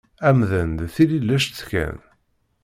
Amdan d tililect kan.